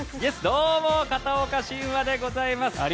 どうも、片岡信和でございます。